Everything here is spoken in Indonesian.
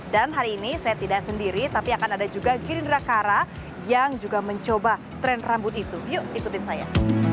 hari ini saya tidak sendiri tapi akan ada juga girindra kara yang juga mencoba tren rambut itu yuk ikutin saya